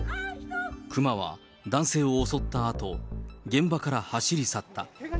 熊は男性を襲ったあと、現場から走り去った。